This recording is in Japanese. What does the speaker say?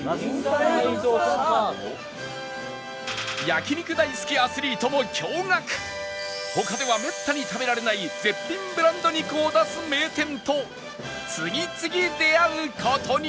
焼肉大好きアスリートも驚愕他ではめったに食べられない絶品ブランド肉を出す名店と次々出会う事に